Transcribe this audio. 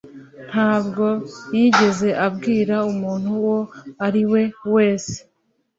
ntabwo yigeze abwira umuntu uwo ari we wese.